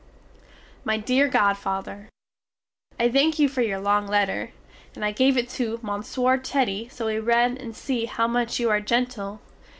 My dear godfather: I thank you for your long letter, and I give it to Monsieur Teddy so he read and see how much you are genteel.